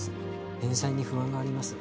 返済に不安があります